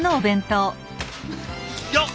よっ！